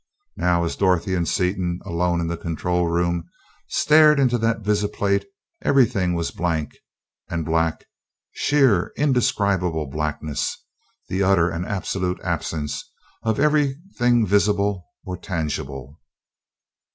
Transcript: Now, as Dorothy and Seaton, alone in the control room, stared into that visiplate, everything was blank and black; sheer, indescribable blackness; the utter and absolute absence of everything visible or tangible.